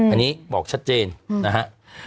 อันนี้บอกชัดเจนนะฮะ